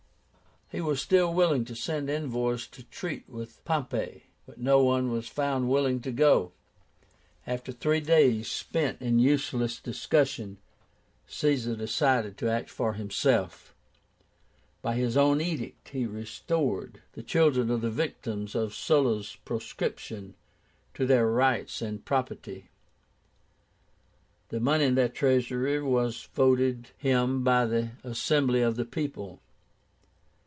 He was still willing to send envoys to treat with Pompey, but no one was found willing to go. After three days spent in useless discussion, Caesar decided to act for himself. By his own edict, he restored the children of the victims of Sulla's proscription to their rights and property. The money in the treasury was voted him by the Assembly of the people.